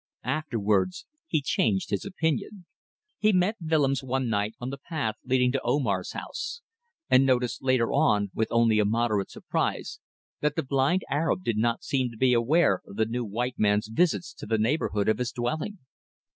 Afterwards he changed his opinion. He met Willems one night on the path leading to Omar's house, and noticed later on, with only a moderate surprise, that the blind Arab did not seem to be aware of the new white man's visits to the neighbourhood of his dwelling.